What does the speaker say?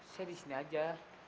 saya di sini aja